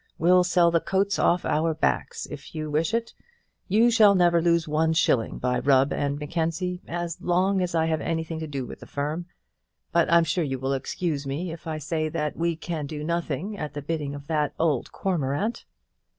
We'll sell the coats off our backs, if you wish it. You shall never lose one shilling by Rubb and Mackenzie as long as I have anything to do with the firm. But I'm sure you will excuse me if I say that we can do nothing at the bidding of that old cormorant."